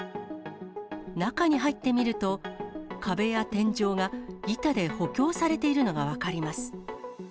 中に入ってみると、壁や天井が板で補強されているのが分かります。